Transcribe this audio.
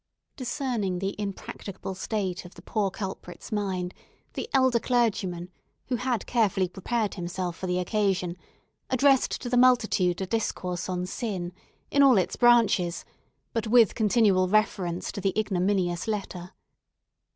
Discerning the impracticable state of the poor culprit's mind, the elder clergyman, who had carefully prepared himself for the occasion, addressed to the multitude a discourse on sin, in all its branches, but with continual reference to the ignominious letter.